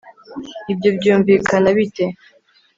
ibyo byumvikana bite